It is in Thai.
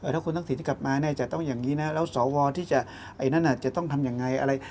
ถ้าคุณทักษิติกลับมาจะต้องอย่างนี้นะแล้วสวที่จะต้องทำอย่างไร